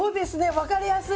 分かりやすい。